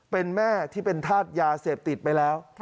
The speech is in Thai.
เป็นแม่ที่เป็นธาตุยาเสพติดไปแล้ว